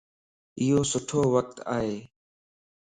ايو سٺو وقت ائي